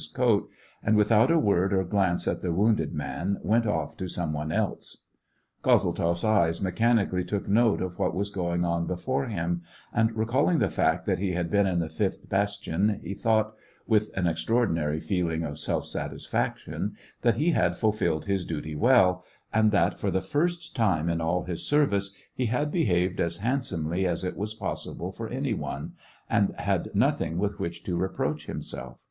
his coat, and, without a word or glance at the wounded man, went off to some one else. Kozeltzoff's eyes mechanically took note of what was going on before him, and, recalling the fact that he had been in the fifth bastion, he thought, with an extraordinary feeling of self satisfaction, that he had fulfilled his duty well, and that, for the first time in all his service, he had behaved as handsomely as it was possible for any one, and had nothing with which to reproach himself.